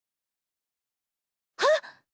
はっ！